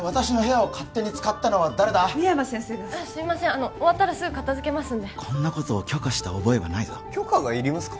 あの終わったらすぐ片づけますんでこんなことを許可した覚えはないぞ許可がいりますか？